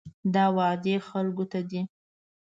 دا وعدې خلکو ته دي.